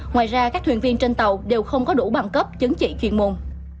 ngoài ra các thuyền viên trên tàu đều không có đủ bằng cấp chứng chỉ chuyên môn